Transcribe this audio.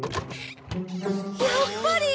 やっぱり！